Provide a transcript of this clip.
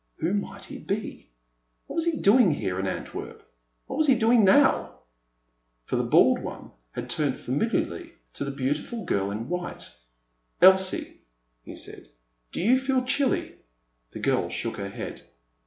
Who might he be ? What was he doing here in Ant werp — ^what was he doing now !— for the bald one had turned familiarly to the beautiful girl in white. '* Elsie," he said. do you feel chilly ?" The girl shook her head.